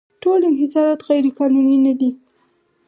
ټول انحصارات غیرقانوني نه دي.